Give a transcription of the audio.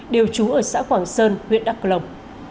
đều trú ở xã quảng sơn huyện đắk lông